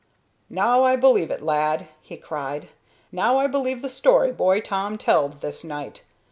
"Now I believe it, lad!" he cried. "Now I believe the story boy Tom telled this night.